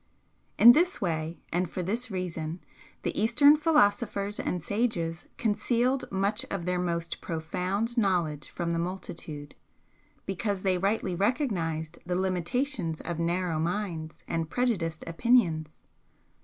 In this way and for this reason the Eastern philosophers and sages concealed much of their most profound knowledge from the multitude, because they rightly recognised the limitations of narrow minds and prejudiced opinions.